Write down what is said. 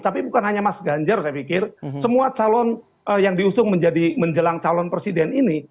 tapi bukan hanya mas ganjar saya pikir semua calon yang diusung menjadi menjelang calon presiden ini